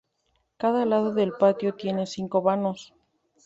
Cada lado del patio tiene cinco vanos.